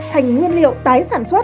thành nguyên liệu tái sản xuất